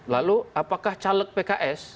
lalu apakah caleg pks